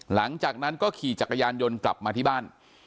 หลังจากนั้นก็ขี่จักรยานยนต์กลับมาที่บ้าน